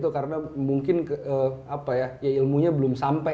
karena mungkin ilmunya belum sampai